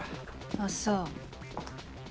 あっそう。